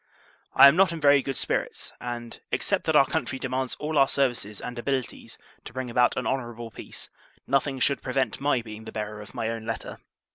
I am not in very good spirits; and, except that our country demands all our services and abilities, to bring about an honourable peace, nothing should prevent my being the bearer of my own letter.